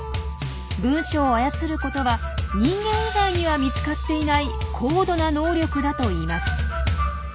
文章を操ることは人間以外には見つかっていない高度な能力だといいます。